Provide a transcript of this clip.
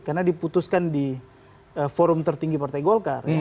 karena diputuskan di forum tertinggi partai golkar